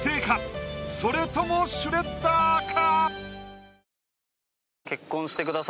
それともシュレッダーか？